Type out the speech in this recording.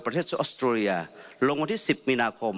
ประเทศออสเตรเลียลงวันที่๑๐มีนาคม